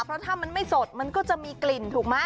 เพราะถ้ามันไม่สดมันก็จะมีกลิ่นถูกไหม